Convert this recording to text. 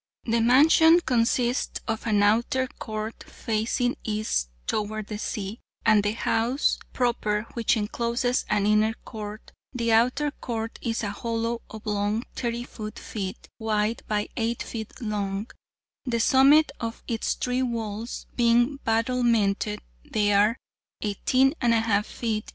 The mansion consists of an outer court, facing east toward the sea, and the house proper, which encloses an inner court. The outer court is a hollow oblong 32 ft. wide by 8 ft. long, the summit of its three walls being battlemented; they are 18 1/2 ft.